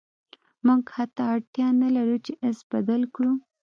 موږ حتی اړتیا نلرو چې ایس بدل کړو